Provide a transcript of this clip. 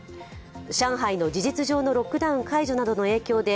上海の事実上のロックダウン解除などの影響で